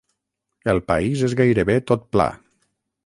El país és gairebé tot pla.